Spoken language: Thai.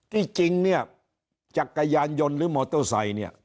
ที่จริงเนี่ยจักรยานยนต์หรือมอเตอร์ไซค์เนี่ย